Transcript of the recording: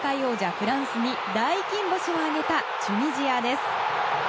フランスに大金星を挙げたチュニジアです。